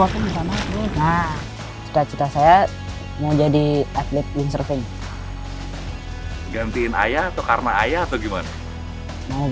kita kita saya mau jadi atlet windsurfing gantiin ayah atau karena ayah atau gimana mau ganti ini